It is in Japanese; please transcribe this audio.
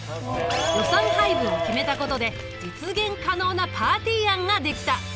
予算配分を決めたことで実現可能なパーティー案ができた。